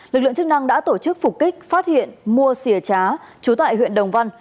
lực lượng chức năng đã tổ chức phục kích phát hiện mua sìa trá trú tại huyện đồng văn